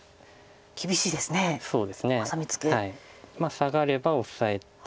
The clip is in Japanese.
サガればオサえて。